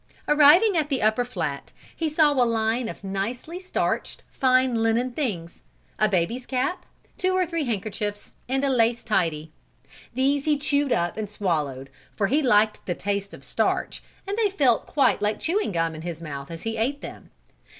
Arriving at the upper flat, he saw a line of nicely starched, fine linen things, a baby's cap, two or three handkerchiefs and a lace tidy. These he chewed up and swallowed for he liked the taste of starch and they felt quite like chewing gum in his mouth as he ate them.